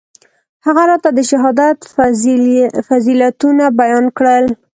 هغه راته د شهادت فضيلتونه بيان کړل.